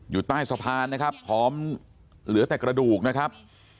อยู่ใต้สะพานนะครับพร้อมเหลือแต่กระดูกนะครับ